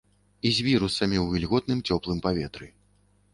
І з вірусамі ў вільготным, цёплым паветры.